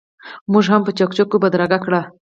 موږ هم په چکچکو بدرګه کړ.